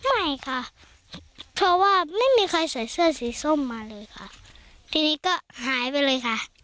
ไม่ค่ะเพราะว่าไม่มีใครใส่เสื้อสีส้มมาเลยค่ะทีนี้ก็หายไปเลยค่ะ